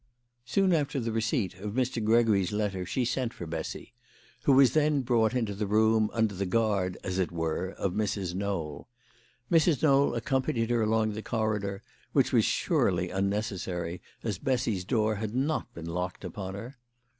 Soon after the receipt of Mr. Gregory's letter she L 146 THE LADY OF LAUNAY. sent for Bessy, who was then brought into the room under the guard, as it were, of Mrs. Knowl. Mrs. Knowl accompanied her along the corridor, which was surely unnecessary, as Bessy's door had not been locked upon her.